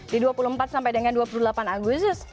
di dua puluh empat sampai dengan dua puluh delapan agustus